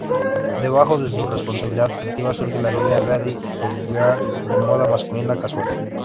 Debajo su responsabilidad creativa surge la línea "Ready to Wear" de moda masculina casual.